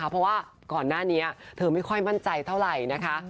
เพราะว่าก่อนหน้านี้เธอไม่ค่อยมั่นใจเท่าไหร่นะคะ